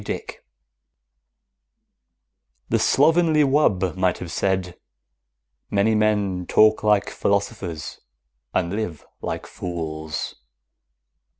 DICK _The slovenly wub might well have said: Many men talk like philosophers and live like fools.